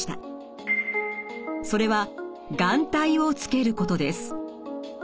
それは眼帯をつけることです。